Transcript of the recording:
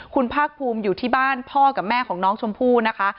คุณภาคภูมิอยู่ที่บ้านพ่อกับแม่ของน้องชมพู่นะคะ